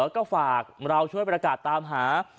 ก็ฝากเราช่วยประกาศตามหา